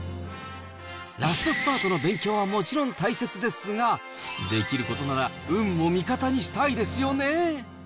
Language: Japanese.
ラストスパートの勉強はもちろん大切ですが、できることなら運も味方にしたいですよね。